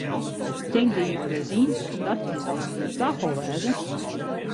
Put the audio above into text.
Tink dy ris yn, dat kin dochs gjin tafal wêze!